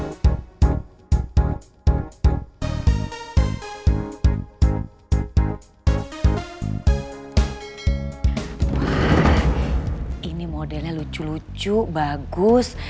hmm ini modelnya lucu lucu bagus